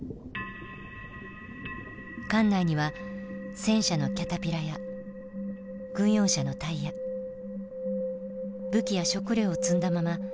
艦内には戦車のキャタピラや軍用車のタイヤ武器や食料を積んだまま